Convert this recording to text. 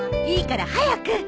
いいから早く！